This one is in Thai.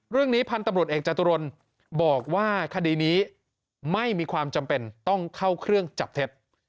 พันธุ์ตำรวจเอกจตุรนบอกว่าคดีนี้ไม่มีความจำเป็นต้องเข้าเครื่องจับเท็จ